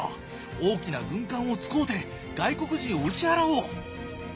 大きな軍艦を使おて外国人を打ち払おう。